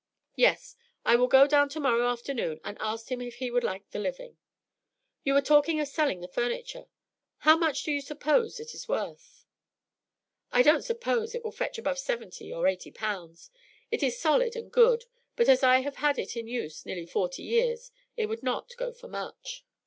Yes, I will go down tomorrow afternoon and ask him if he would like the living. You were talking of selling the furniture; how much do you suppose it is worth?" "I don't suppose it will fetch above seventy or eighty pounds; it is solid and good, but as I have had it in use nearly forty years, it would not go for much."